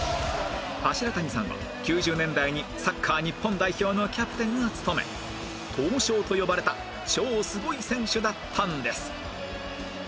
柱谷さんは９０年代にサッカー日本代表のキャプテンを務め「闘将」と呼ばれた超すごい選手だったんです